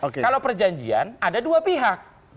kalau perjanjian ada dua pihak